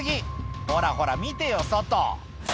「ほらほら見てよ外」